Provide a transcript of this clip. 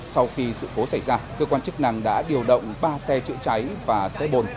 sau khi sự cố xảy ra cơ quan chức năng đã điều động ba xe chữa cháy và xe bồn